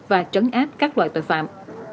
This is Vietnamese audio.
và chấn áp các loại tội phạm